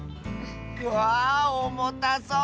わあおもたそう。